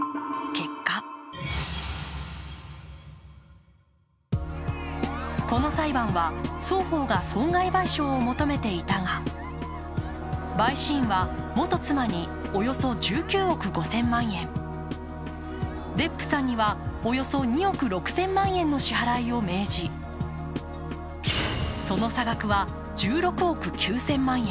結果この裁判は双方が損害賠償を求めていたが、陪審員は元妻におよそ１９億５０００万円デップさんには、およそ２億６０００万円の支払いを命じその差額は１６億９０００万円。